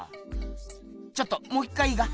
ちょっともう一回いいか？